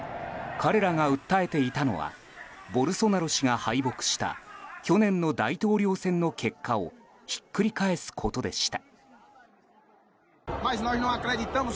彼らが訴えていたのはボルソナロ氏が敗北した去年の大統領選の結果をひっくり返すことでした。